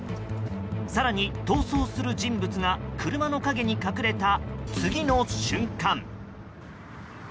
更に逃走する人物が車の陰に隠れた次の瞬間。